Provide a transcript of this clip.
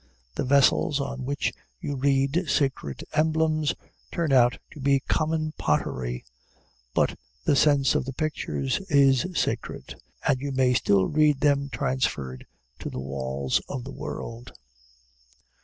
The vessels on which you read sacred emblems turn out to be common pottery; but the sense of the pictures is sacred, and you may still read them transferred to the walls of the world.